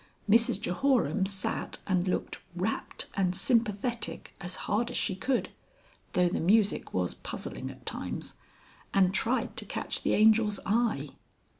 Mrs Jehoram sat and looked rapt and sympathetic as hard as she could (though the music was puzzling at times) and tried to catch the Angel's eye.